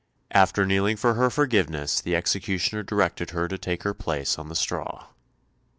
After kneeling for her forgiveness, the executioner directed her to take her place on the straw.